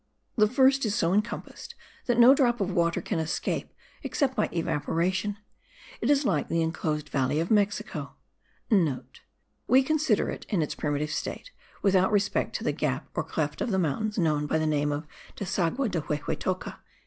The first is so encompassed that no drop of water can escape except by evaporation; it is like the enclosed valley of Mexico,* (* We consider it in its primitive state, without respect to the gap or cleft of the mountains, known by the name of Desaghue de Huehuetoca.)